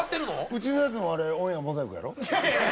うちのやつもあれオンエアモザイクやろ？